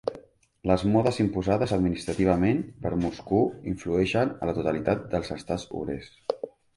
Les modes imposades administrativament per Moscou influeixen a la totalitat dels Estats obrers.